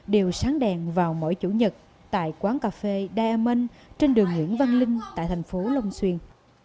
đều sáng đèn vào mỗi chủ nhật tại quán cà phê da manh trên đường nguyễn văn linh tại thành phố long xuyên